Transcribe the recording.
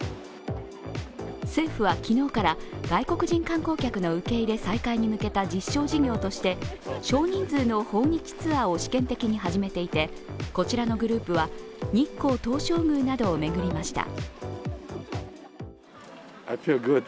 政府は昨日から外国人観光客の受け入れ再開に向けた実証事業として、少人数の訪日ツアーを試験的に始めていて、こちらのグループは、日光東照宮などを巡りました。